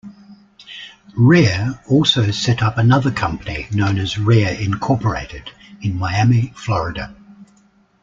Rare also set up another company known as Rare, Incorporated in Miami, Florida.